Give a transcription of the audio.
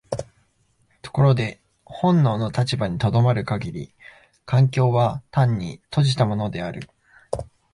ところで本能の立場に止まる限り環境は単に閉じたものである。